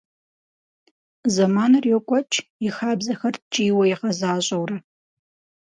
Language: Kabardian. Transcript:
Зэманыр йокӏуэкӏ, и хабзэхэр ткӏийуэ игъэзащӏэурэ.